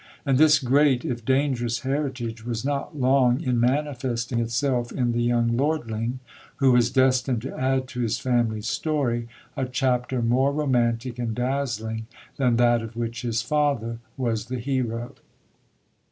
And this great, if dangerous heritage was not long in manifesting itself in the young lordling, who was destined to add to his family's story a chapter more romantic and dazzling than that of which his father was the hero.